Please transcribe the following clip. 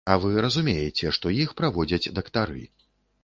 А вы разумееце, што іх праводзяць дактары.